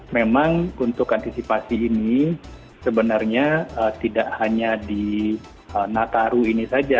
memang untuk antisipasi ini sebenarnya tidak hanya di nataru ini saja